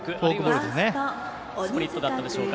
スプリットだったでしょうか。